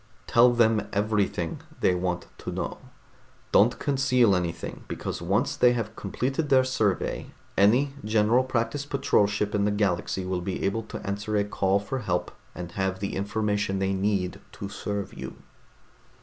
Tell them everything they want to know. Don't conceal anything, because once they have completed their survey, any General Practice Patrol ship in the galaxy will be able to answer a call for help and have the information they need to serve you."